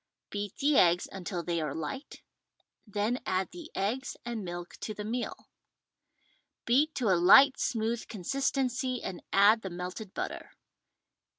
Beat the eggs until they are light, then add the eggs and milk to the meal. Beat to a light smooth consistency and add the melted butter.